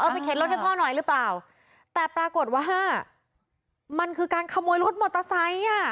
ไปเข็นรถให้พ่อหน่อยหรือเปล่าแต่ปรากฏว่ามันคือการขโมยรถมอเตอร์ไซค์อ่ะ